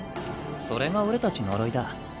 それが俺たち呪いだ。